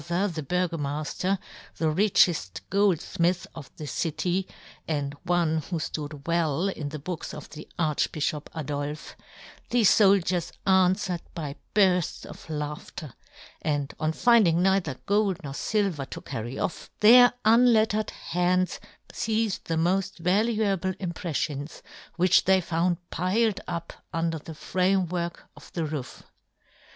ther, the Burgomafter, the richeft goldfmith of the city, and one who ftood well in the books of the Arch bifliop Adolfe, the foldiers anfwered by burfts of laughter ; and on find ing neither gold nor filver to carry off, their unlettered hands feized the moft valuable impreffions, which they found piled up under the frame work of the roof.